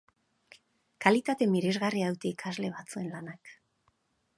Kalitate miresgarria dute ikasle batzuen lanak.